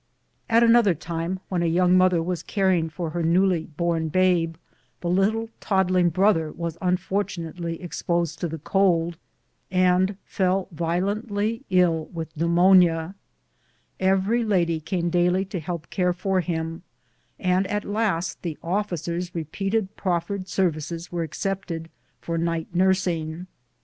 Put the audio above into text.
At another time, when a young mother was caring for her newly born babe, the little toddling brother was unfortunately ex posed to the cold, and fell violently ill with pneumonia. PERPLEXITIES AND PLEASURES OF DOMESTIC LIFE. 125 Every lady came daily to help care for him, and at last the officers' repeatedly proffered services were accepted for night nursing.